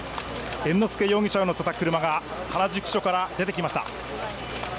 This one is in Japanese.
猿之助容疑者を乗せた車が原宿署から出てきました。